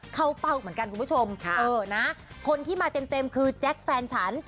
เข้าเป้าเหมือนกันคุณผู้ชมคนที่มาเต็มคือแจ๊คแฟนฉัน